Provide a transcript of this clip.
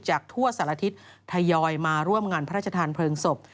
ทั่วสารทิศทยอยมาร่วมงานพระราชทานเพลิงศพ